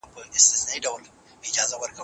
شاه محمود د خپل وخت یو بې سارې فاتح و.